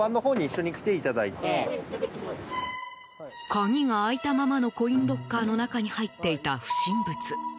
鍵が開いたままのコインロッカーの中に入っていた不審物。